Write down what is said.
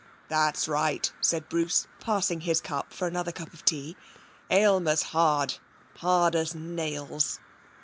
'That's right!' said Bruce, passing his cup for another cup of tea. 'Aylmer's hard, hard as nails.'